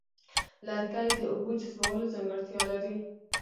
لرګي د اوبو جذبولو ځانګړتیا لري.